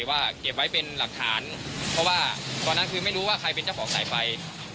ว่าเก็บไว้เป็นหลักฐานเพราะว่าตอนนั้นคือไม่รู้ว่าใครเป็นเจ้าของสายไฟ